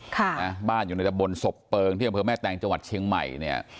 ค่ะนะบ้านอยู่ในตะบนศพเปิงที่อำเภอแม่แตงจังหวัดเชียงใหม่เนี่ย